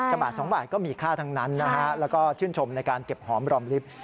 บาท๒บาทก็มีค่าทั้งนั้นนะฮะแล้วก็ชื่นชมในการเก็บหอมรอมลิฟต์